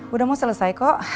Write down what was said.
udah mau selesai kok